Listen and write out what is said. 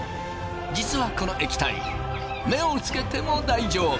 実はこの液体目をつけても大丈夫。